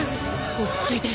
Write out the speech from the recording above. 落ち着いて。